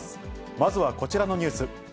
まずはこちらのニュース。